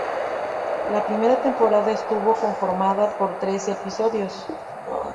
La primera temporada estuvo conformada por trece episodios.